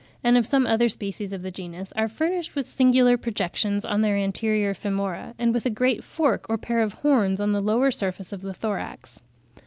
21), and of some other species of the genus, are furnished with singular projections on their anterior femora, and with a great fork or pair of horns on the lower surface of the thorax.